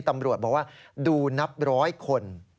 ตำรวจบอกว่าดูนับร้อยคน